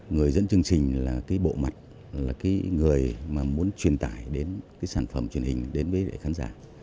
người dẫn chương trình là cái bộ mặt là cái người mà muốn truyền tải đến cái sản phẩm truyền hình đến với khán giả